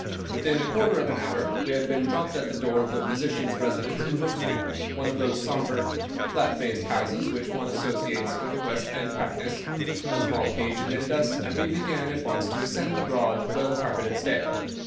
Within a quarter of an hour we had been dropped at the door of the physician's residence in Brook Street, one of those sombre, flat faced houses which one associates with a West End practice. A small page admitted us, and we began at once to ascend the broad, well carpeted stair.